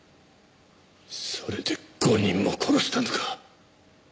それで５人も殺したのか？